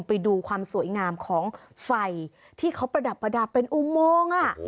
ไปดูความสวยงามของไฟที่เขาประดับประดับเป็นอุโมง